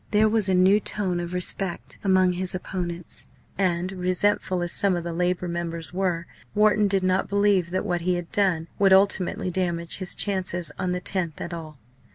There was a new tone of respect among his opponents, and, resentful as some of the Labour members were, Wharton did not believe that what he had done would ultimately damage his chances on the 10th at all.